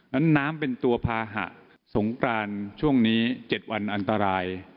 น้ำเป็นตัวภาหะสงกรานช่วงนี้๗วันอันตราย